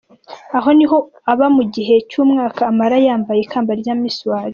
Aho niho aba mu gihe cy’umwaka amara yambaye ikamba rya Miss World.